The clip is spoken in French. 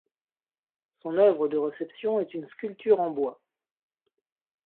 Son œuvre de réception est une sculpture en bois.